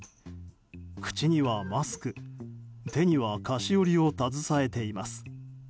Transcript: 口にはマスク手には菓子折りを携えています。